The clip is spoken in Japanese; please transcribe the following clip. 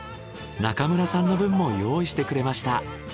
中村さんの分も用意してくれました。